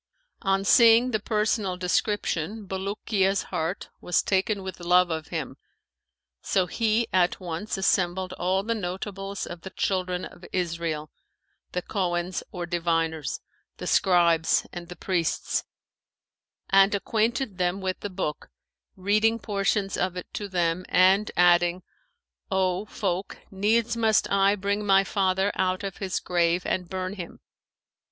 On seeing the personal description Bulukiya's heart was taken with love of him, so he at once assembled all the notables of the Children of Israel, the Cohens or diviners, the scribes and the priests, and acquainted them with the book, reading portions of it to them and, adding, 'O folk, needs must I bring my father out of his grave and burn him.'